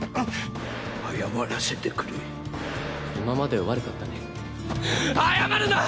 謝らせてくれ今まで悪かったね謝るな！